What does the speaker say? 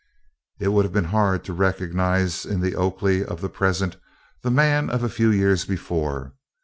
It would have been hard to recognise in the Oakley of the present the man of a few years before.